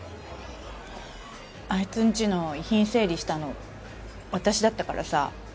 あいつんちの遺品整理したの私だったからさ。